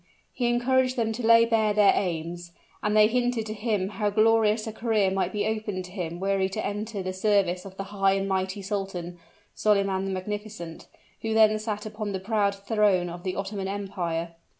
He encouraged them to lay bare their aims; and they hinted to him how glorious a career might be opened to him were he to enter the service of the high and mighty sultan, Solyman the Magnificent, who then sat upon the proud throne of the Ottoman Empire.